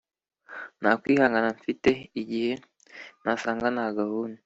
ntakwihangana mfite igihe nasanga ntagahunda .